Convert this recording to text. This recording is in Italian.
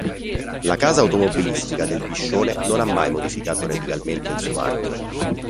La casa automobilistica del "Biscione" non ha mai modificato radicalmente il suo marchio.